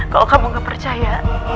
kalau kamu gak percaya